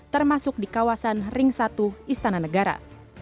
termasuk di kawasan ring satu istana negara